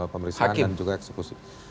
pemeriksaan dan juga eksekusi